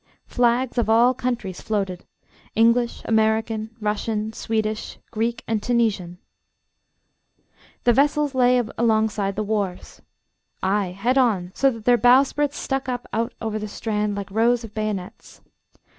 Flags of all countries floated English, American, Russian, Swedish, Greek and Tunisian. The vessels lay alongside the wharves ay, head on, so that their bowsprits stuck up out over the strand like rows of bayonets.